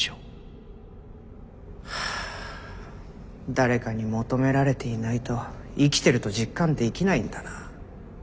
誰かに求められていないと生きてると実感できないんだな。